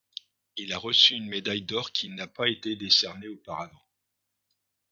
Il a reçu une médaille d’or qui n’a pas été décernée auparavant.